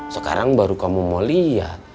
sekarang baru kamu mau lihat